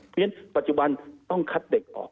เพราะฉะนั้นปัจจุบันต้องคัดเด็กออก